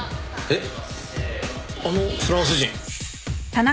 えっ？